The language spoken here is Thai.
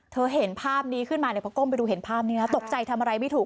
เห็นภาพนี้ขึ้นมาเนี่ยพอก้มไปดูเห็นภาพนี้นะตกใจทำอะไรไม่ถูก